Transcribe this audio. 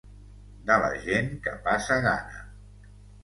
De la gent que passa gana.